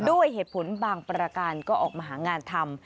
ด้วยเหตุผลบางประการก็ออกมาหางานทำ